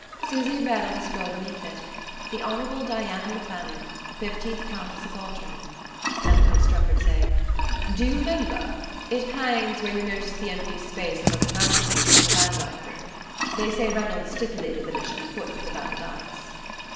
Susy read on the scroll beneath it: "The Hon'ble Diana Lefanu, fifteenth Countess of Altringham" and heard Strefford say: "Do you remember? It hangs where you noticed the empty space above the mantel piece, in the Vandyke room. They say Reynolds stipulated that it should be put with the Vandykes."